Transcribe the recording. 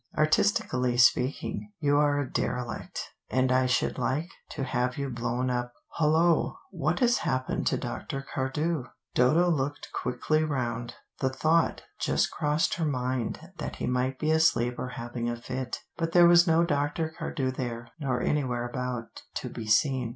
Artistically speaking, you are a derelict, and I should like to have you blown up. Hullo, what has happened to Dr. Cardew?" Dodo looked quickly round. The thought just crossed her mind that he might be asleep or having a fit. But there was no Dr. Cardew there, nor anywhere about, to be seen.